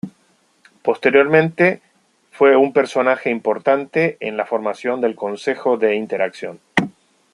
Posteriormente, fue un personaje importante en la formación del Consejo de Interacción.